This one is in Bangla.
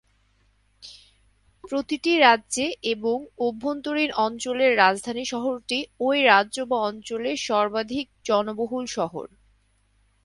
প্রতিটি রাজ্যে এবং অভ্যন্তরীণ অঞ্চলের রাজধানী শহরটি ওই রাজ্য বা অঞ্চলের সর্বাধিক জনবহুল শহর।